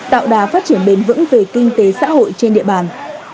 tạo đà phát triển bền vững về kinh tế xã hội trên địa bàn